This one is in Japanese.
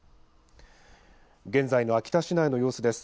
現在の秋田市内の様子です。